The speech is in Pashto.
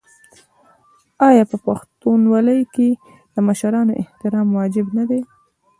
آیا په پښتونولۍ کې د مشرانو احترام واجب نه دی؟